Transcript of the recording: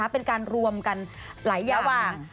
เป็นการรวมกันหลายอย่าง